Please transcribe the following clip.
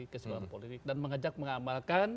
keseluruhan politik dan mengajak mengamalkan